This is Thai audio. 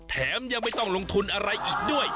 แถมยังไม่ต้องลงทุนอะไรอีกด้วย